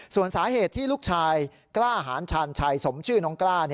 ส่วนสาเหตุที่ลูกชายกล้าหารชาญชัยสมชื่อน้องกล้า